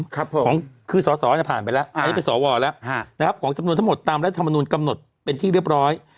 ครับผมของคือสอสอเนี่ยผ่านไปแล้วอันนี้เป็นสวแล้วนะครับของจำนวนทั้งหมดตามรัฐมนุนกำหนดเป็นที่เรียบร้อย